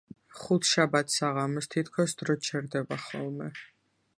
ხუთშაბათ საღამოს თითქოს დრო ჩერდება ხოლმე.